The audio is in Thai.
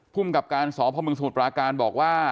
ผู้แกรมการสอบพระมึงสมุดประการบอกว่า